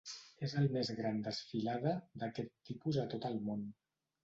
És el més gran desfilada d'aquest tipus a tot el món.